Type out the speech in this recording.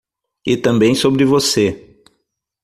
E também sobre você!